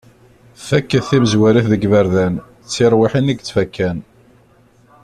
Faket timezwarit deg yiberdan, d tirwiḥin i yettfakan.